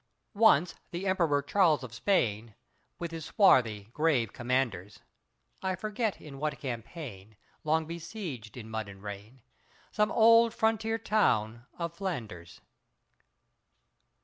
Once the Emperor Charles of Spain, With his swarthy, grave commanders I forget in what campaign Long besieged, in mud and rain, Some old frontier town of Flanders.